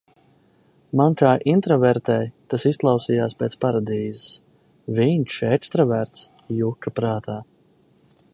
Man kā intravertei tas izklausījās pēc paradīzes. Viņš, ekstraverts, juka prātā.